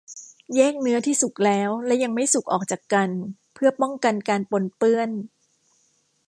แยกเนื้อที่สุกแล้วและยังไม่สุกออกจากกันเพื่อป้องกันการปนเปื้อน